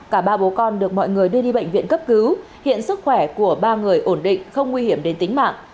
cả ba bố con được mọi người đưa đi bệnh viện cấp cứu hiện sức khỏe của ba người ổn định không nguy hiểm đến tính mạng